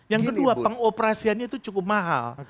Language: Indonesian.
yang kedua pengoperasiannya itu cukup mahal